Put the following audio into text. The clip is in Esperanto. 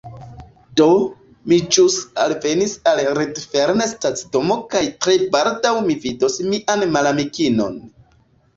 Do, mi ĵus alvenis al Redfern stacidomo kaj tre baldaŭ mi vidos mian malamikinon